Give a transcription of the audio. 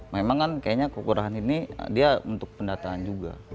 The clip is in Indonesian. memang kan kayaknya kekurangan ini dia untuk pendataan juga